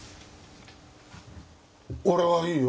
俺はいいよ。